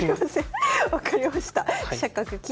分かりました。